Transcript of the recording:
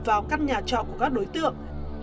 vào căn nhà trọ của các đối tượng